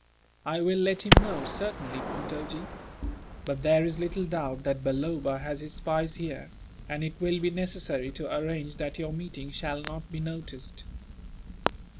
"I will let him know, certainly, Puntojee; but there is little doubt that Balloba has his spies here, and it will be necessary to arrange that your meeting shall not be noticed.